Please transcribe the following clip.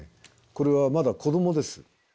これはまだ子どもです。